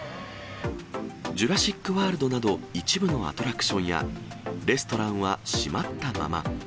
ジュラシックワールドなど一部のアトラクションや、レストランは閉まったまま。